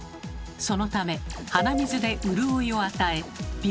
そのため鼻水で潤いを与え鼻